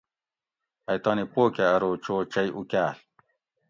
ائی تانی پو کہ ارو چو چئی اُکاۤل